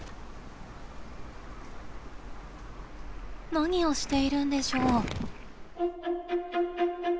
何をしているんでしょう？